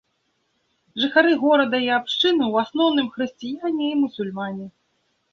Жыхары горада і абшчыны ў асноўным хрысціяне і мусульмане.